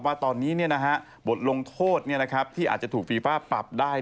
ว่าตอนนี้บทลงโทษที่อาจจะถูกฟีฟ่าปรับได้